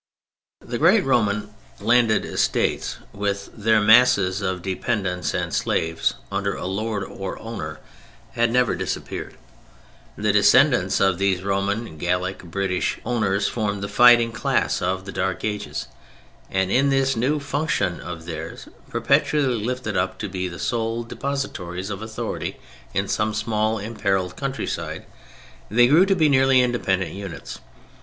The great Roman landed estates, with their masses of dependents and slaves, under a lord or owner, had never disappeared. The descendants of these Roman, Gallic, British, owners formed the fighting class of the Dark Ages, and in this new function of theirs, perpetually lifted up to be the sole depositories of authority in some small imperiled countryside, they grew to be nearly independent units.